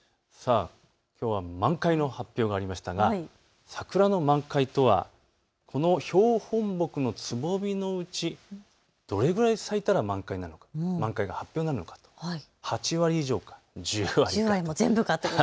きょうは満開の発表がありましたが桜の満開とはこの標本木のつぼみのうち、どれぐらい咲いたら満開が発表になるのか、８割以上か１０割か。